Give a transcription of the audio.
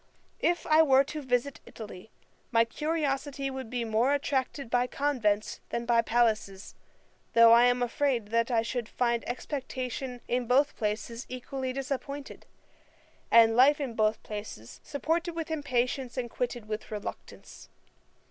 If I were to visit Italy, my curiosity would be more attracted by convents than by palaces: though I am afraid that I should find expectation in both places equally disappointed, and life in both places supported with impatience and quitted with reluctance.